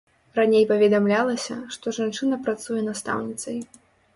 Раней паведамлялася, што жанчына працуе настаўніцай.